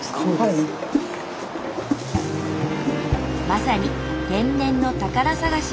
まさに天然の宝探し。